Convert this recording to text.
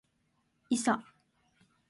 いさ